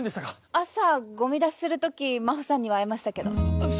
朝ゴミ出しする時真帆さんには会いましたけど。